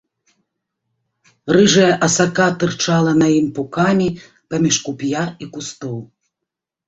Рыжая асака тырчала на ім пукамі паміж куп'я і кустоў.